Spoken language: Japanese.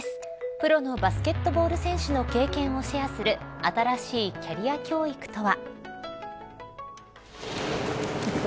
プロのバスケットボール選手の経験をシェアする新しいキャリア教育とは。